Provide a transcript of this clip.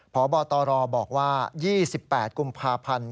พบตรบอกว่า๒๘กุมภาพันธ์